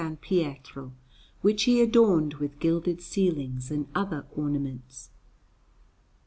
Pietro, which he adorned with gilded ceilings and other ornaments.